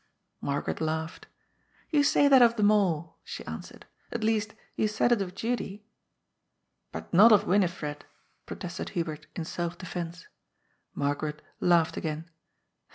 Margaret laughed. ''You say that of them all," she answered. " At least, you said it of Judy." " But not of Winifred," protested Hubert in self defence. Margaret laughed again.